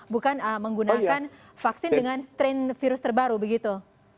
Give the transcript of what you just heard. bukan menggunakan vaksin dengan strain virus terbaru begitu